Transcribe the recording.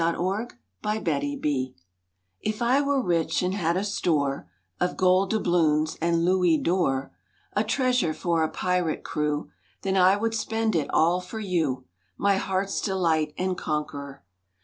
THE RONDEAU OF RICHES If I were rich and had a store Of gold doubloons and louis d'or— A treasure for a pirate crew— Then I would spend it all for you— My heart's delight and conqueror!